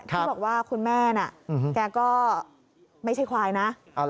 ที่บอกว่าคุณแม่น่ะแกก็ไม่ใช่ควายนะ